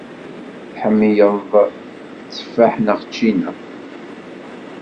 Tḥemmleḍ tteffaḥ neɣ ččina?